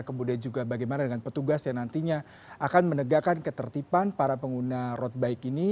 kemudian juga bagaimana dengan petugas yang nantinya akan menegakkan ketertiban para pengguna road bike ini